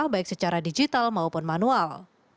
baik secara digital maupun manual